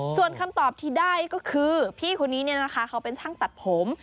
ส่วนคำตอบที่ได้ก็คือพี่คนนี้เนี่ยนะคะเขาเป็นช่างตัดผม